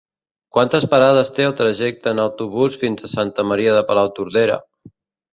Quantes parades té el trajecte en autobús fins a Santa Maria de Palautordera?